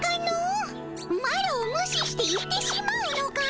マロをむしして行ってしまうのかの。